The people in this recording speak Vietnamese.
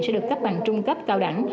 sẽ được cấp bằng trung cấp cao đẳng